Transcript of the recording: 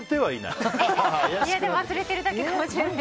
忘れてるだけかもしれない。